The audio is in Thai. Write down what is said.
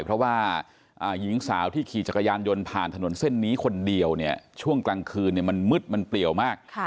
เพราะว่าหญิงสาวที่ขี่จักรยานยนต์ผ่านถนนเส้นนี้คนเดียวเนี่ยช่วงกลางคืนมันมืดมันเปลี่ยวมาก